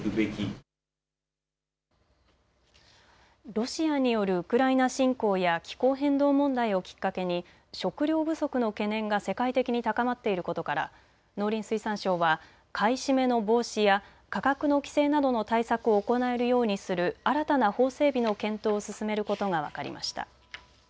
ロシアによるウクライナ侵攻や気候変動問題をきっかけに食料不足の懸念が世界的に高まっていることから農林水産省は買い占めの防止や価格の規制などの対策を行えるようにする新たな法整備の検討を進めることが分かりました。